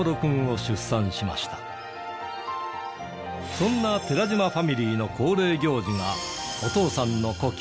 そんな寺島ファミリーの恒例行事がお父さんの故郷